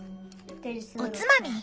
おつまみ？